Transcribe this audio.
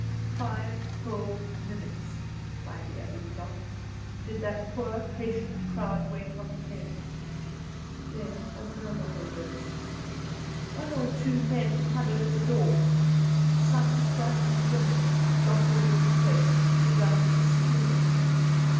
Five whole minutes by the Abbey clock did that poor, patient crowd wait on the pavement. Then a murmur arose. One or two men hammered at the door; some frightened women, jostled in the press, begun to scream.